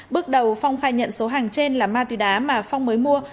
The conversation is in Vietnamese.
bước đầu phong khai nhận số hàng trên là ma túy đá mà phong mới mua